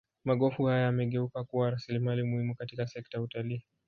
magofu haya yamegeuka kuwa rasilimali muhimu katika sekta ya utalii